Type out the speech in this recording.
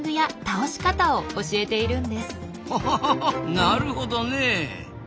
なるほどねえ。